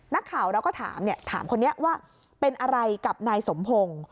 นักข่าวเราก็ถามถามคนนี้ว่าเป็นอะไรกับนายสมพงศ์